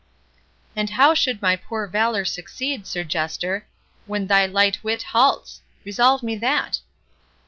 "And how should my poor valour succeed, Sir Jester, when thy light wit halts?—resolve me that."